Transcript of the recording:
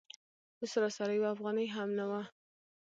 اوس راسره یوه افغانۍ هم نه وه.